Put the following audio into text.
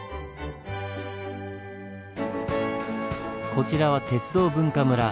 こちらは鉄道文化むら。